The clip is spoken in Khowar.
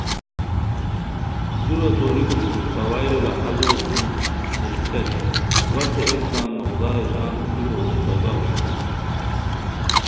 دُورہ توریکو سُم ساوایو لہازو سُم نیزیتانی وا ہسے یکدم نوغدار ژان اوتیرو غون تازہ ہوئے